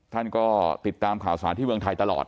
ท่านก็ติดตามข่าวสารที่เมืองไทยตลอด